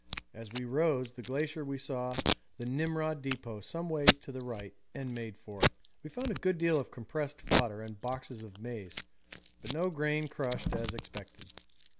As we rose the glacier we saw the Nimrod depot some way to the right and made for it. We found a good deal of compressed fodder and boxes of maize, but no grain crushed as expected.